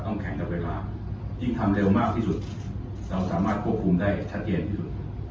แข่งกับเวลายิ่งทำเร็วมากที่สุดเราสามารถควบคุมได้ชัดเจนที่สุด